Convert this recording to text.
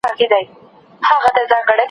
د غاښونو د درملنې لپاره باید ډاکټر ته لاړ شئ.